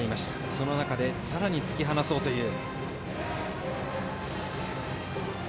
その中でさらに突き放そうという。